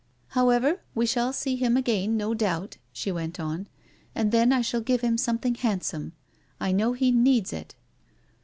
However, we shall see him again, no doubt," she went on. " And then I shall give him some thing handsome. I know he needs it."